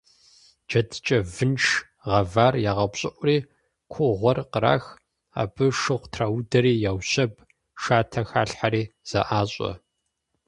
Джэдыкӏэ вынш гъэвар ягъэупщӏыӏури кугъуэр кърах, абы шыгъу траудэри яущэб, шатэ халъхьэри, зэӏащӏэ.